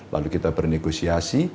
lalu kita bernegosiasi